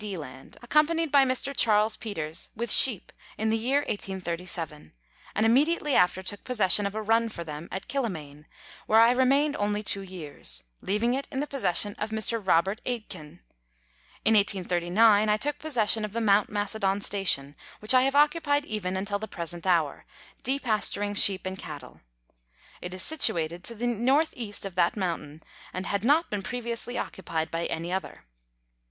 D. Land, accompanied by Mr. Charles Peters, with sheep, in the year 1837, and immediately after took possession of a run for them at Killamaine, where I remained only two years, leaving it in the possession of Mr. Robert Aitken. In 1839 I took possession of the Mount Macedon Station, which I have occupied even until the present hour, depasturing sheep and cattle. It is situated to the N.E. of that mountain, and had not been previously occupied by any other.